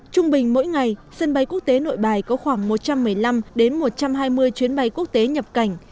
trung bình mỗi ngày sân bay quốc tế nội bài có khoảng một trăm một mươi năm một trăm hai mươi chuyến bay quốc tế nhập cảnh